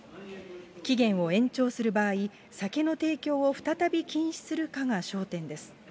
期限を延長する場合、酒の提供を再び禁止するかが焦点です。